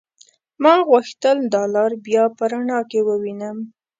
ما غوښتل دا لار بيا په رڼا کې ووينم.